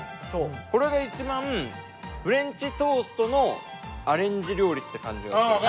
これが一番フレンチトーストのアレンジ料理って感じがする。